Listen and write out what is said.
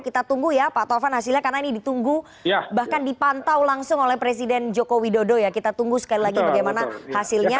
kita tunggu ya pak taufan hasilnya karena ini ditunggu bahkan dipantau langsung oleh presiden joko widodo ya kita tunggu sekali lagi bagaimana hasilnya